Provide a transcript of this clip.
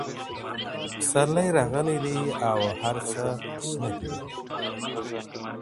پسرلی راغلی دی او هر څه شنه دي.